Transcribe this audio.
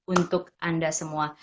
untuk anda semua